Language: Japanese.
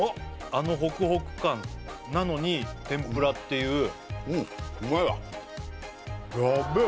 あのホクホク感なのに天ぷらっていううんうまいわヤベえ